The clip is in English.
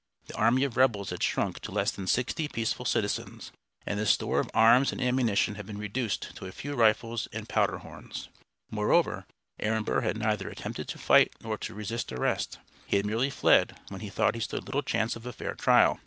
The army of rebels had shrunk to less than sixty peaceful citizens; and the store of arms and ammunition had been reduced to a few rifles and powder horns. Moreover Aaron Burr had neither attempted to fight nor to resist arrest. He had merely fled when he thought he stood little chance of a fair trial.